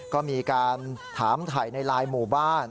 ก็มีการถามถ่ายในไลน์หมู่บ้าน